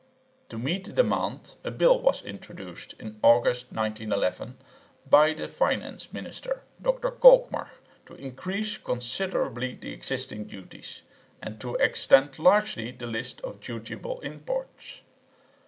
To meet the demand a bill was introduced in August, 1911, by the finance minister, Dr Kolkmar, to increase considerably the existing duties, and to extend largely the list of dutiable imports.